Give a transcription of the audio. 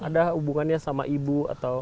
ada hubungannya sama ibu atau